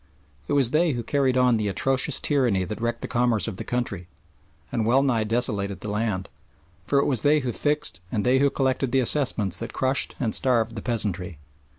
It was they who carried on the atrocious tyranny that wrecked the commerce of the country and well nigh desolated the land, for it was they who fixed and they who collected the assessments that crushed and starved the peasantry.